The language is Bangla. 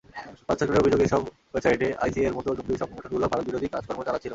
ভারত সরকারের অভিযোগ, এসব ওয়েবসাইটে আইসিয়ের মতো জঙ্গি সংগঠনগুলো ভারতবিরোধী কাজকর্ম চালাচ্ছিল।